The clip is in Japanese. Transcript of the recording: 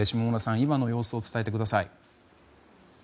今の様子を伝えてください。